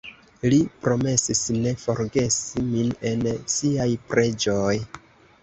Li promesis ne forgesi min en siaj preĝoj.